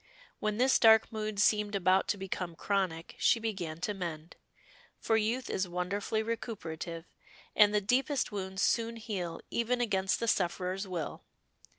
When this dark mood seemed about to become chronic she began to mend, for youth is wonderfully recuperative, and the deepest wounds soon heal even against the sufferer's will.